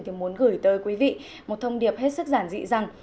thì muốn gửi tới quý vị một thông điệp hết sức giản dị rằng